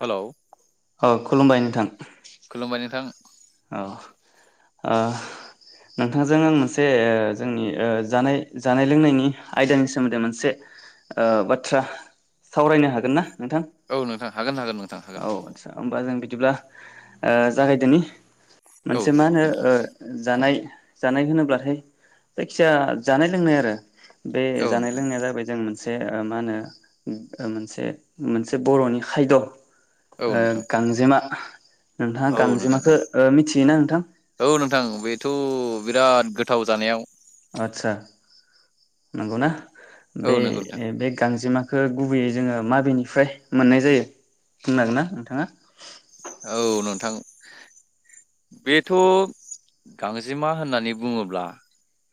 Hello औ खुलुमबाय नोंथां। खुलुमबाय नोंथां औ ओ नोंथांजों आं मोनसे ओ जोंनि ओ जानाय जानाय लोंनायनि आयदानि सोमोन्दै मोनसे ओ बाथ्रा सावरायनो हागोन ना नोंथां? औ नोंथां हागोन हागोन नोंथां हागोन औ आदसा होमबा जों बि बिदिब्ला ओ जागायदोनि औ मोनसे मा दे होनो नोंथां ओ जानाय जानाय होनोब्लाथाय जायखिजाया जानाय लोंनाय आरो बे औ जानाय नोंथां लोंनाया जाबाय जों मोनसे ओ मा होनो मोनसे मोनसे बर'नि खायद'। ओ औ नोंथां गांजेमा नोंथाङा औ नोंथां औ गांजेमाखो ओ मिथियोना नोंथां औ नोंथां बेथ' बिराद गोथाव जानायाव आदसा नंगौ ना? औ बे नंगौ नोंथां बे गांजेमा खो गुबैयै जोङो माबेनिफ्राय मोननाय जायो बुंनो हागोन ना नोंथाङा औ नोंथां बेथ' गांजेमा होननानै बुङोब्ला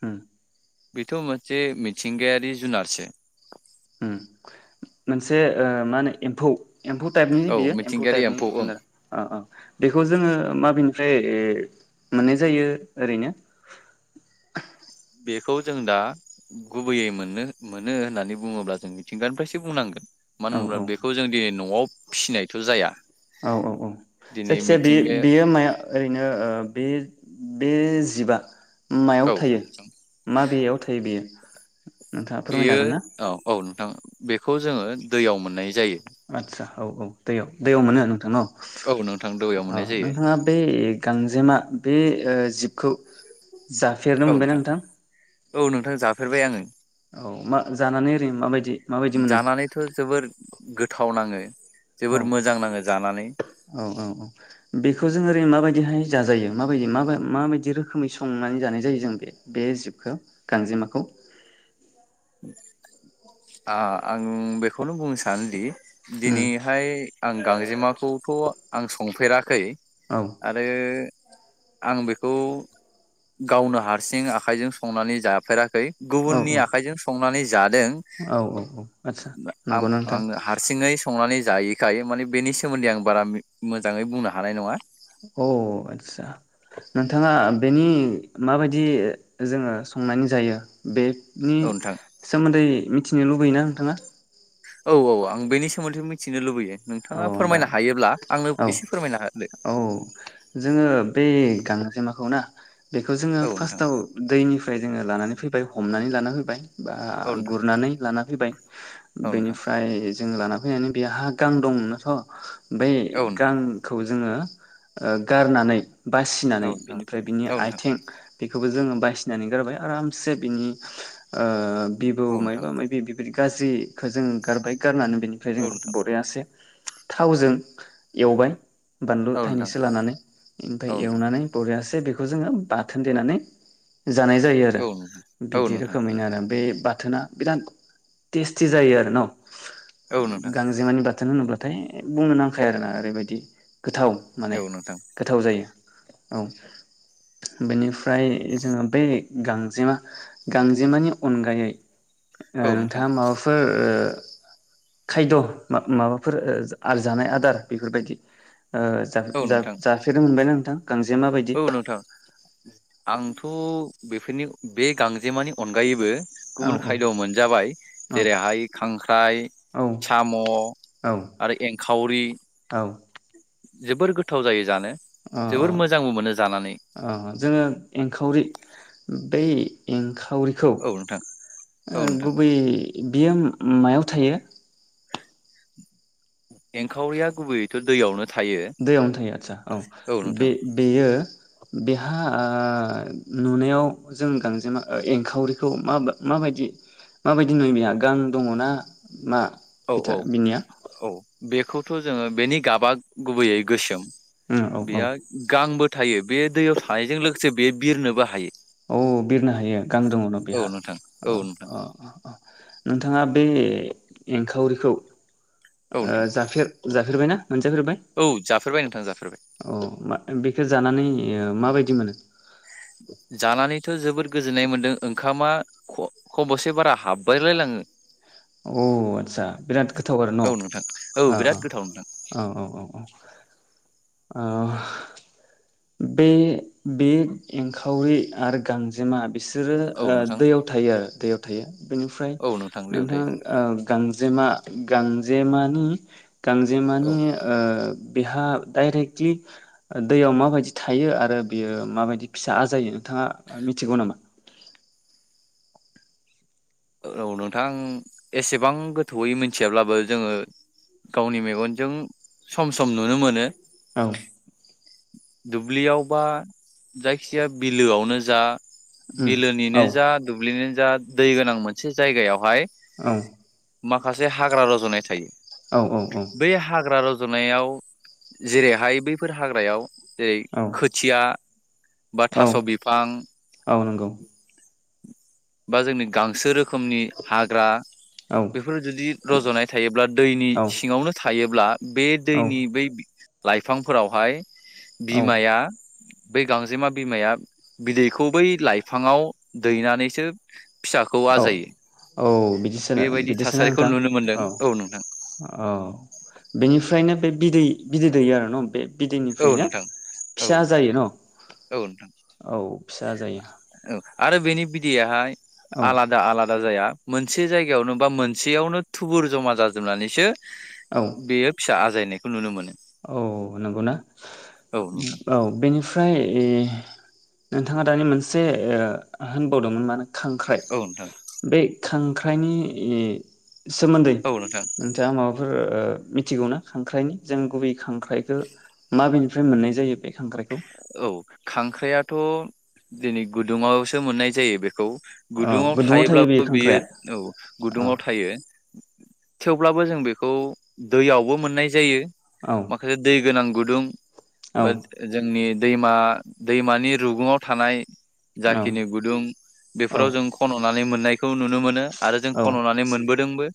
उम बेथ' मोनसे मिथिंगायारि जुनारसो उम मोनसे ओ मा होनो एम्फौ एम्फौ टाइपनि औ बेयो एम्फौ मिथिंगायारि टाइपनि ओं जुनार अ अ बेखौ जोङो माबेनि फ्राययो मोननाय जायो ओरैनो बेखौ जों दा गुबैयै मोननो मोनो होननानै बुङोब्ला जों मिथिंगानिफ्रायसो बुंनांगोन। मानो औ होनोब्ला औ बेखौ जों दिनै न'आव फिसिनायथ' जाया औ औ औ दिनै जायखिजाया बे मिथिंगाया बेयो माया ओरैनो ओ बे बे जिबा मायाव थायो औ माबेयाव थायो बेयो? नोंथाङा फोरमायनो बेयो हागोन ना औ औ अ बेखौ जोङो दैयाव मोननाय जायो। आदसा औ औ दैयाव दैयाव मोनो नोंथां न' औ नोंथां दैयाव अ मोननाय जायो नोंथाङा बै गांजेमा बे ओ जिबखौ जाफेरनो मोनबायना नोंथां? औ नोंथां जाफेरबाय आङो। औ मा जानानै ओरैनो माबायदि माबायदि मोनो? थावनाङो औ औ औ औ बेखौ जों ओरै माबाय दिहाय जाजायो माबायदि मा-माबायदि रोखोमै संनानै जानाय जायो जों बे-बे जिबखौ गांजेमाखौ [inaudible] ओ आं बेखौनो बुंनो सानोदि उम दिनैहाय आं गांजेमाखौथ' आं संफेराखै औ आरो आं बेखौ गावनो हारसिं आखायजों संनानै जाफेराखै औ गुबुननि औ आखायजों संनानै जादों औ औ औ आदसा आं नंगौ ना नोंथां आंनो हारसिङै संनानै जायैखाय माने बेनि सोमोन्दै आं बारा मोजाङै बुंनो हानाय नङा औ आदसा नोंथाङा बेनि माबायदि जोंङो संनानै जायो बे नि औ नोंथां सोमोन्दै मि थिनो लुबैयोना नोंथाङा? औ औ आं बेनि सो मोनदै मिथिनो लुबैयो। औ नोंथाङा होमबा फोरमायनो हायोब्ला आंनो औ एसे फोरमायना होदो औ जोंङो बे गांजेमाखौना बेखौ जोंङो औ नोंथां फास्टआव दैनिफ्राय जोंङो लानानै फैबाय हमनानै लाना फैबाय बा औ नोंथां गुरनानै लाना फैबाय औ नोंथां बेनिफ्राय जों लाना फैनानै बे हा गां दं स बै औ गांखौ जोंङो ओ गारनानै बासिनानै नोंथां बेनिफ्राय बिनि औ नोंथां आथिं बे खौबो जोंङो बायसिनानै गारबाय आरामसे बिनि ओ बिबौ औ नोंथां मायबा मायबि बेबादि गाज्रिखो जों गारबाय गारनानै बेनिफ्राय औ नोंथां जोंङो थावजों एवबाय बानलु औ नोंथां थाइनैसो लानानै ओमफ्राय औ नोंथां एवनानै बरियासे बेखौ जोंङो बाथोन देनानै जानाय जायो आरो औ नोंथां बिदि औ नोंथां रोखोमैनो आरो बे बाथोना बिराद टेस्टि जायो आरो न' औ नोंथां गांजेमानि बाथोन होनोब्लाथाय बुंनो नांखायो आरोना ओरैबादि गोथाव माने गोथाव जायो औ बेनिफ्राय जोङो बे गांजेमा गांजेमानि अनगायै ओ नोंथाङा माबाफोर ओ खायद' मा माबाफोर ओ आरजानाय आदार बेफोरबायदि ओ जा औ जा नोंथां जाफेरनो मोनबाय नों औ नोंथां आंथ' बेफोरनि बे गांजेमानि अनगायैबो औ गुबुन खायद' मोनजाबाय जेरैहाय खांख्राइ औ साम' औ आरो एंखावरि औ जोबोर गोथाव जायो जानो अ जोबोर अ मोजांबो मोनो जानानै अ जोङो एंखावरि बै इंखा खावरिखौ औ नोंथां औ ओ नोंथां गुबै बियो मायाव थायो एंखावरिया गुबैयैथ' दैयावनो थायो दैयावनो थायो आतसा औ बे बेयो बेहा आ नुनायाव जों गांजेमा ओ एंखावरिखौ माब माबायदि माबायदि नुयो बेहा गां दङ'ना मा? औ बिथा औ बिनिया औ बेखौ थ' जोङो बेनि गाबा गुबैयै गोसोम औ औ बेया गां बो थायो बे दैयाव थानायजों लोगोसे बे बिरनोबो हायो औ बिरनो हायो गां दङ' न' औ बेहा नोंथां औ नोंथां औ नोंथाङा बे एंखावरिखौ औ ओ नोंथां जाफेर जाफेरबायना? मोनजागफेरबाय औ जाफेरबाय नोंथां जाफेरबाय अ मा बेखौ जानानै ओ माबायद दि मोनो [unintelligible] जानानैथ' जोबोद गोजोननाय मोन्दों ओंखामा ख' खबसे बारा हाबबायलायलाङो औ आतसा बिराद गोथाव आरो न' औ नोंथां औ ओ बिराद ओ गोथाव नोंथां औ औ औ ओ बे बे एंखावरि आरो गांजेमा बिसोरो औ ओ नोंथां दैयाव थायो दैयाव थायो बेनिफ्राय औ नोंथां उम ओम लेवथाय ओ गांजेमा गां जेमानि औ गांजेमानि ओ बेहा दाइरेक्टलि दैयाव माबायदि थायो आरो बेयो माबायदि फिसा आजायो नोंथाङा मिथिगौ नामा? औ नोंथां एसेबां गोथौयै मिथियाब्लाबो जोंङो गावनि मेगनजों सम सम नुनो मोनो। औ। दुब्लियाव बा जायखि जाया बिलोआवनो जा उम बिलोनिनो औ जा दुब्लिनिनो जा दै गोनां मोनसे जायगायावहाय औ। माखासे हाग्रा रजनाय थायो। औ बै हाग्रा रज नायाव जेरैहाय बैफोर हाग्रायाव जेरै औ खोथिया बा औ थास' बिफां औ नंगौ बा जोंनि गांसो रो खोमनि हाग्रा औ बेफोर जुदि रजनाय थायोब्ला औ दैनिसिंआवनो थायो अब्ला बे दैनि औ बै लाइफांफोरावहाय बिमाया बै गांजेमा बिमाया बिदैखौ बै लाइफाङाव दैनानैसो फिसाखौ औ आजायो औ बिदिसो बेबायदि बिदिसोना थासारिखौ नोंथां। नुनो मोनदों औ नोंथां औ बेनिफ्रायनो बे बिदै बिदै दैैयो आरो न बे औ बिदैनिफ्रायनो नोंथां औ फिसा नोंथां जायो न। औ नोंथां औ। फिसा जायो। औ आरो बेनि बिदैयाहाय औ आलादा आलादा जाया। मोनसे जायगायावनो बा मोनसेयावनो थुबुर जमा जाजोबनानैसो औ बेयो फिसा आजायनाय। नुनो मोनो। औ नंगौना औ नोंथां औ बेनि ओमफ्राय नोंथांङा दानि मोनसे होनबावदोंमोन माने खांख्राइ औ नोंथां बे खां खांख्राइनि सोमोन्दै औ नोंथां नोंथाङा माबाफोर ओ मिथिगौना खांख्राइनि जों गुबै खांख्राइखौ माबेनिफ्राय मोननाय जायो बे खांख्राइखौ औ खांख्राइआथ' दिनै गुदुङावसो मोननाय जायो बेखौ अ गुदुङाव थायो बे थायोब्लाबो बियो खांख्राइआ औ अ गुदुङाव थायो। थेवब्लाबो जों बेखौ दैयावबो मोननाय जायो। औ माखासे दै गोनां गुदुं बा औ जोंनि दैमा दैमानि रुगुङाव थानाय जाखिनि गुदुं औ बेफोराव जों खननानै मोनो। मोननायखौ नुनो मोनो। आरो जों औ खन'नानै मोनबोदोंबो।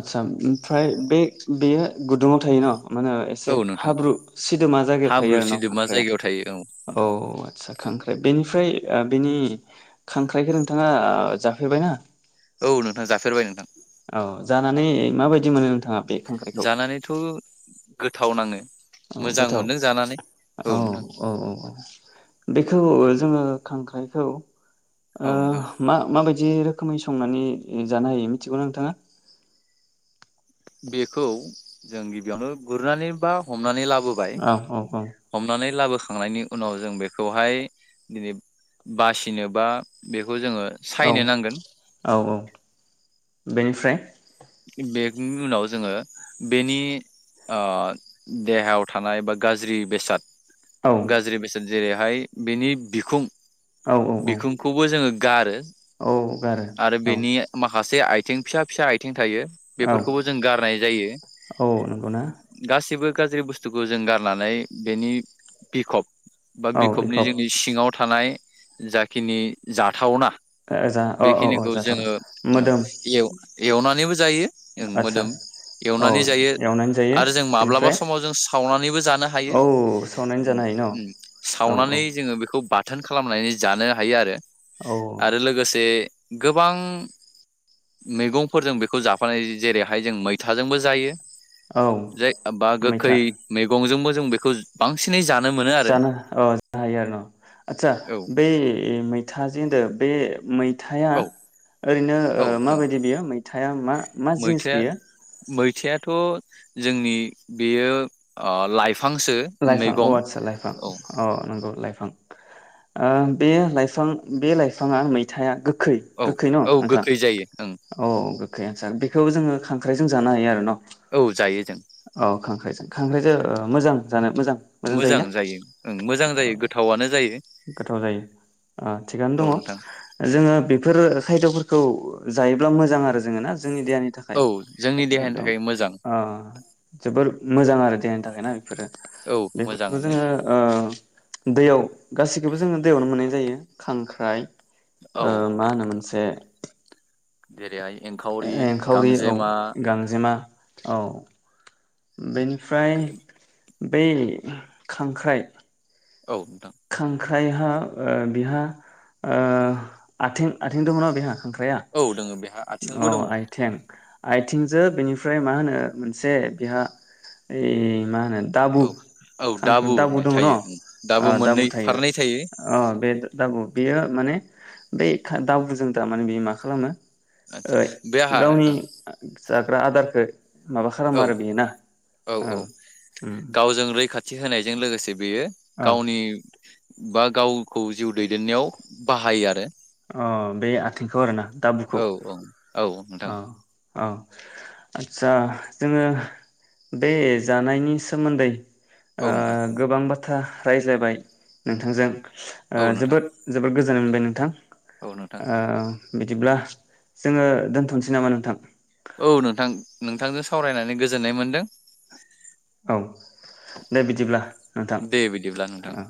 आतसा ओमफ्राय बे बेयो गुदुङाव थायो न' मा होनो औ एसे नोंथां हाब्रु सिदोमा जायगायाव थायो हाब्रु आरो ना सिदोबमा जायगायाव थायो औ खांख्राइआ औ नोंथां आदसा खांख्राइ बेनिफ्राय ओ बेनि खांख्राइखौ नोंथाङा ओ जाफैबायना औ नोंथां जाफेरबाय नोंथां। औ जानानै माबायदि मोनो नोंथाङा बे औ जानानैथ' गोथाव नाङो मोजां गोथाव मोनदों जानानै औ नोंथां औ औ बेखौ जोङो खांख्राइखौ ओ औ नोंथां मा मा बाय जे रोखोमै संनानै जानो हायो मिथिगौना नोंथाङा? बेखौ जों गिबियावनो गुरनानै बा हमनानै लाबो बोबाय औ औ औ हमनानै ला खांनायनि उनाव जों बेखौहाय दि बासिनोबा खौ जों औ सायनो नांगोन। औ बेनिफ्राय बेनि उनाव जोङो बेनि ओ देहायाव थानाय बा गाज्रि बेसाद औ गाज्रि बेसेन जेरैहाय बिनि बिखुं औ औ औ बिखुंखौबो जोङो गारो औ गारो आरो औ बेनि माखासे आइ। जों फिसा फिसा। बिथिं थायो। औ बेफोरखौबो जों गारनाय जायो औ नंगौना गासिबो। गाज्रि बुस्थुखौ जों गारनानै बेनि बिखब। बा औ बिखबनि बिखब जोंनि सिङाव। थानाय जाखिनि जाथावना। ओ जा अ औ औ बेखिनिखौ जोङो जाथावना औ मोदोम एव एवनानैबो जायो ओं आदसा मोदोम औ एवनानै जायो एवनानै जायो आरो जों माब्लाबा बेनिफ्राय समाव जों सावनानैबो जानो हायो औ सावनानै उम जानो हायो न उम औ औ सावनानै जोङो बेखौ बा बाथोन खालामलायनानै जानो हायो आरो। आरो औ लोगोसे। गोबां मैगं। फोरजों बेखौ जाफानाय जेरैहाय जों मैथाजोंबो जायो। औ जाय बा गोखै मैथा मैगंजोंबो। जों बेखौ बांसिन जा जानो औ जानो हायो आरो न आतसा औ बै मैथाजोंदो बे। मै। थाया औ ओरैनो औ बिनो नोंथां माबायदि बियो मैथाया मा। मा जिनिस मैथाया बेयो। मैथायाथ' जोंनि बेयो ओ लाइफ। लाइफां अह आतसा लाइफां अह नंगौ लाइफां फां ओ बेयो फाइफां बे लाइफाङा मैथाया गोख औ औ गोखै जायो। ओं औ। अके आ सार बेखौ जोङो खांख्रायजों जानो हायो आरो न'। औ जायो जों औ खांख्राइजों खांख्राइजों ओ मोजां। जानो। मोजां मोजां जायोना जायो ओं मोजां जायो गोथावानो जायो गोथाव जायो ओ थिगानो दङ औ नोंथां जोङो बेफोर खायद'फोरखौ। जायोब्ला मोजां आरो जोङो ना। जोंनि देहानि थाखाय औ जोंनि देहानि एकदम थाखाय मोजां जोबोर ओ मोजां आरो देहानि थाखायनाा बेफोरो औ बेफोरखौ मोजाङानो जोङो ओ दैयाव। गासिखौबो जोङो दैयावनो मोननाय जायो खांख्राइ औ ओ औ मा होनो मोनसे जेरैहाय एंखावरि एंखावरि औ, गांजेमा गांजेमा औ। बेनि फ्राय बै खांख्राइ औ नोंथां। ख्रायहा ओ बिहा ओ आथिं आथिं दङोना ना बिहा खांख्राया? औ दोङो बेहा औ आथिंबो दङ आइथें आइथिंजो बेनिफ्राय मा होनो मोनसे बेहा ओइ मा होनो दाबु औ औ खांख्र' दाबु होननाय दङ' न'? थायो ओ दाबु थायो ओ बे दाबु बे बे माने बे दाबुजों थार माने बेयो मा खालामो आदसा ओ बे आंहा गावनि जाग्रा आदारखो माबा खालामो औ आरो बेयो ना ओ उम। थि होनायजों लोगोसे बेयो गावनि बा गावखौ जिउ दैदेननायाव बाहायो आरो। अह बे आथिंखौ आरोना दाबुखौ? औ औ औ नोंथां अह। अह, आथसा जोङो बे जानायनि सोमोन्दै औ ओ नोंथां गोबां बाथ्रा रायज्लायबाय नोंथांजों औ ओ नोंथां जोबोद जोबोर गोज होनो मोनबाय नोंथां। औ नोंथां ओ बिदिब्ला जोङो दोनथ'नसै नामा नोंथां? औ नोंथां नोंथांजों सावरायनानै गोजोननाय मोनदों औ दे बिदिब्ला नोंथां दे बिदिब्ला नोंथां ओ।